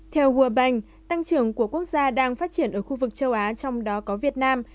theo world bank tăng trưởng của quốc gia đang phát triển ở khu vực châu á trong đó có việt nam